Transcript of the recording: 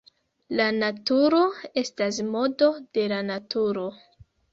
La naturo estas modo de la Naturo.